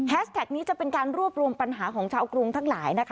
แท็กนี้จะเป็นการรวบรวมปัญหาของชาวกรุงทั้งหลายนะคะ